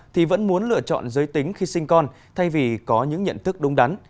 thì vẫn muốn lựa chọn giới tính khi sinh con thay vì có những nhận thức đúng đắn